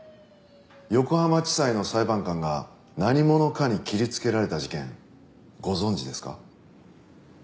横浜地裁の裁判官が何者かに切りつけられた事件ご存じですか？